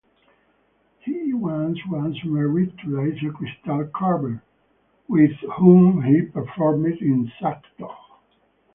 He was once married to Lisa Crystal Carver with whom he performed in Suckdog.